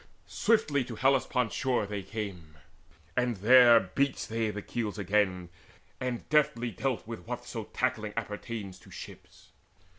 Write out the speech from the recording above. Swiftly to Hellespont's shore they came, and there Beached they the keels again, and deftly dealt With whatso tackling appertains to ships.